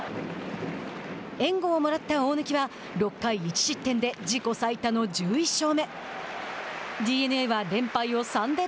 援護をもらった大貫は６回１失点で自己最多の１１勝目。